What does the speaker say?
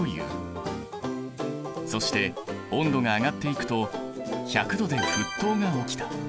そして温度が上がっていくと１００℃で沸騰が起きた。